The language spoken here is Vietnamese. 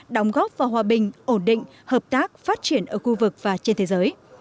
đóng góp vào hòa bình ổn định hợp tác phát triển ở khu vực và trên thế giới